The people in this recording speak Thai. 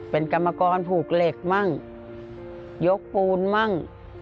เป็นกรรมกรผูกเหล็กมั่งยกปูนมั่ง